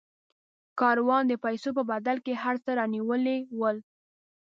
کاروان د پیسو په بدل کې هر څه رانیولي ول.